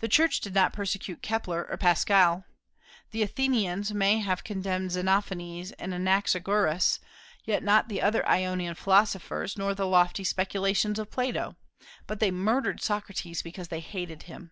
The Church did not persecute Kepler or Pascal. The Athenians may have condemned Xenophanes and Anaxagoras, yet not the other Ionian philosophers, nor the lofty speculations of Plato; but they murdered Socrates because they hated him.